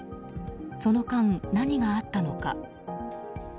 その間、何があったのか。